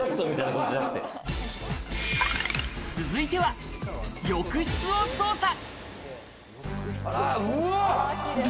続いては浴室を捜査。